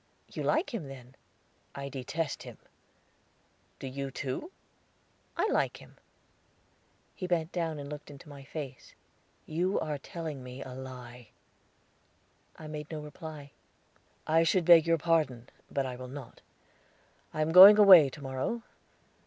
"You like him, then?" "I detest him; do you too?" "I like him." He bent down and looked into my face. "You are telling me a lie." I made no reply. "I should beg your pardon, but I will not. I am going away to morrow.